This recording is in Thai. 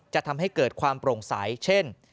จะทำให้เกิดความโปร่งใสเช่น